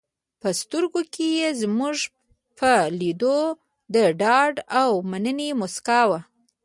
په سترګو کې یې زموږ په لیدو د ډاډ او مننې موسکا وه.